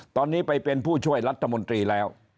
ตอนนี้ไปเป็นผู้ช่วยรัฐมนตรีแล้ว